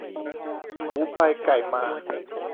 หมูไปไก่มา